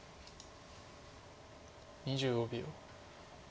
２５秒。